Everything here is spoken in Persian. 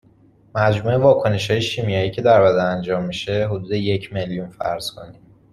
مجموع واکنشهای شیمیایی که در بدن انجام میشه، حدود یک میلیون فرض کنیم